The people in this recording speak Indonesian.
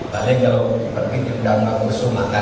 paling kalau pergi ke jenderal magus sumaka